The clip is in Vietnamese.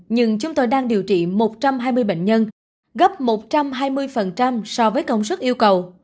nhưng chúng tôi đang điều trị một trăm hai mươi bệnh nhân gấp một trăm hai mươi so với công sức yêu cầu